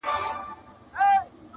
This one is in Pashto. o چي ډېري غورېږي، هغه لږ اورېږي٫